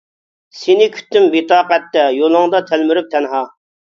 سېنى كۈتتۈم بىتاقەتتە، يولۇڭدا تەلمۈرۈپ تەنھا.